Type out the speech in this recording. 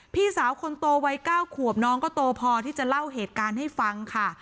พี่สาวคนโตวัย๙ขวบน้องก็โตพอที่จะเล่าเหตุการณ์ให้ฟังค่ะ